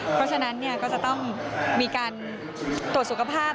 เพราะฉะนั้นก็จะต้องมีการตรวจสุขภาพ